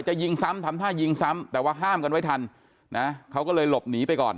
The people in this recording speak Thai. ยิงซ้ำทำท่ายิงซ้ำแต่ว่าห้ามกันไว้ทันนะเขาก็เลยหลบหนีไปก่อน